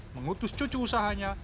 mengutus cucu usahanya